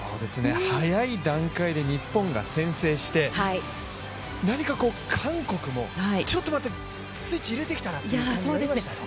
早い段階で日本が先制して何か韓国も、ちょっと待てとスイッチを入れてきたなという感じですね。